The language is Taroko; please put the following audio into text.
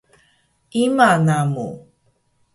Ima namu?